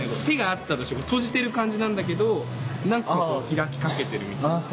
手があったとして閉じてる感じなんだけどなんか開きかけてるみたい。